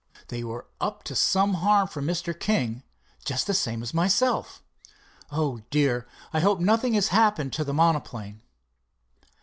"They were up to some harm for Mr. King, just the same as myself. Oh, dear, I hope nothing has happened to the monoplane!"